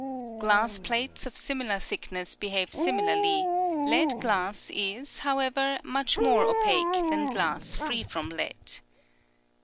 Glass plates of similar thickness behave similarly; lead glass is, however, much more opaque than glass free from lead.